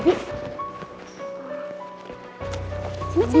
bik bawa aku